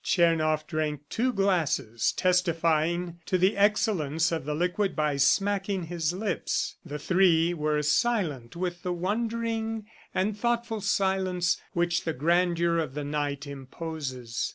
Tchernoff drank two glasses, testifying to the excellence of the liquid by smacking his lips. The three were silent with the wondering and thoughtful silence which the grandeur of the night imposes.